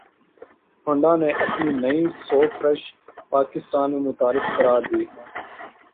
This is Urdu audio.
ہنڈا نے اپنی نئی سوک رش پاکستان میں متعارف کرا دی ہے